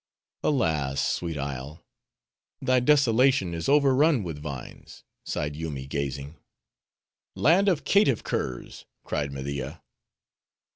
"Alas, sweet isle! Thy desolation is overrun with vines," sighed Yoomy, gazing. "Land of caitiff curs!" cried Media.